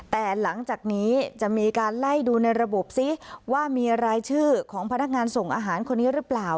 แต่หลังจากนี้จะมีการไล่ดูในระบบซิว่ามีรายชื่อของพนักงานส่งอาหารคนนี้หรือเปล่า